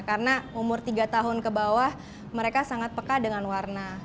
karena umur tiga tahun ke bawah mereka sangat peka dengan warna